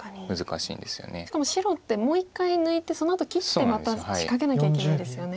しかも白ってもう１回抜いてそのあと切ってまた仕掛けなきゃいけないですよね。